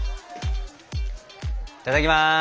いただきます。